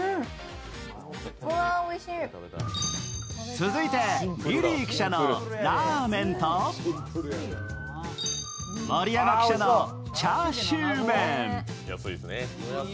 続いて、リリー記者のラーメンと盛山記者のチャーシューメン。